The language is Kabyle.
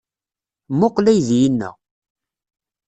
Mmuqqel aydi-inna.